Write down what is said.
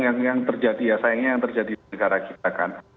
yang terjadi ya sayangnya yang terjadi di negara kita kan